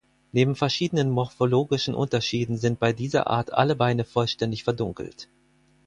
Neben verschiedenen morphologischen Unterschieden sind bei dieser Art alle Beine vollständig verdunkelt.